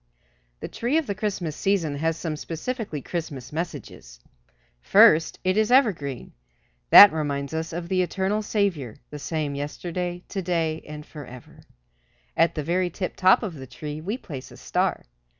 The tree of the Christmas season has some specifically Christmas messages. First, it is evergreen. That reminds us of the eternal Saviour, "the same yesterday, to day and forever." At the very tiptop of the tree we place a star.